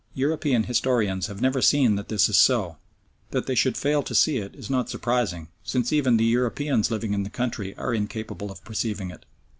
European historians have never seen that this is so that they should fail to see it is not surprising, since even the Europeans living in the country are incapable of perceiving it.